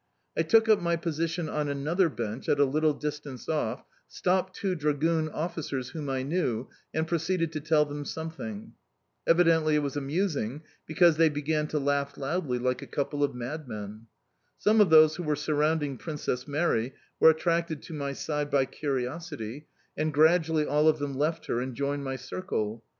I took up my position on another bench at a little distance off, stopped two Dragoon officers whom I knew, and proceeded to tell them something. Evidently it was amusing, because they began to laugh loudly like a couple of madmen. Some of those who were surrounding Princess Mary were attracted to my side by curiosity, and gradually all of them left her and joined my circle.